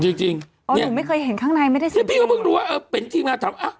จริงจริงอ๋อหนูไม่เคยเห็นข้างในไม่ได้เสื้อพี่ก็เพิ่งรู้ว่าเออเป็นทีมงานถามอ่ะ